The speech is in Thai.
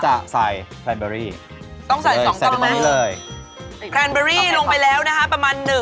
ใส่แค่ไหนดีกี่กามพอเรา